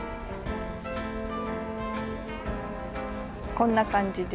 こんな感じで。